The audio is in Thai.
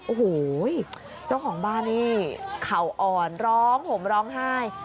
โอ้โหเจ้าของบ้านนี่เข่าอ่อนร้องห่มร้องไห้